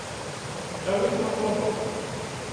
Awi-t ma tṛuḥeḍ.